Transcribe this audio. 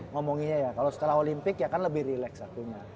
ngomonginnya ya kalau setelah olimpik ya kan lebih relax akunya